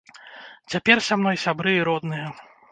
Цяпер са мной сябры і родныя.